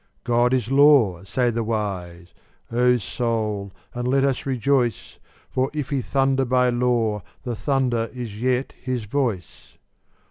God is law, say the wise; O Soul, and let us rejoice, For if He thunder by law the thunder is yet His voice.